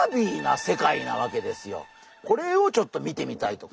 このこれをちょっと見てみたいと。